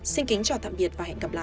xin kính chào tạm biệt và hẹn gặp lại